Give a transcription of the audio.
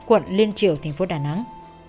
quận liên triều thành phố đà nẵng